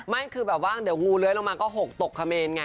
ไม่คือแบบว่าเดี๋ยวงูเลื้อยลงมาก็๖ตกเขมรไง